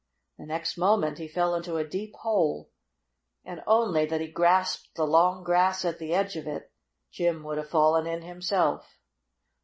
The next moment he fell into a deep hole, and only that he grasped the long grass at the edge of it, Jim would have fallen in himself.